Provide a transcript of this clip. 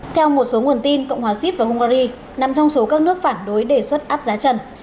theo một số nguồn tin cộng hòa xíp và hungary nằm trong số các nước phản đối đề xuất áp giá trần